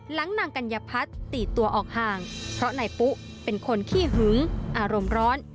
นางกัญญพัฒน์ตีตัวออกห่างเพราะนายปุ๊เป็นคนขี้หึงอารมณ์ร้อน